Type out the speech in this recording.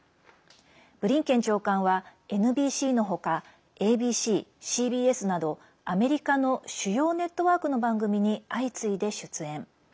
ブリンケン長官はＮＢＣの他、ＡＢＣ、ＣＢＳなどアメリカの主要ネットワークの番組に相次いで出演。